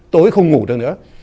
tối không ngủ được nữa